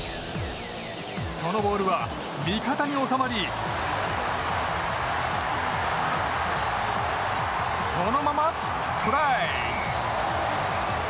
そのボールは味方に収まりそのままトライ！